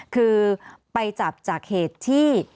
คือไปจับจากเหตุที่